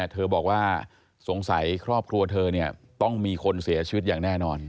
เธอบอกว่าสงสัยครอบครัวเธอต้องมีคนเสียชีวิตอย่างแน่นอน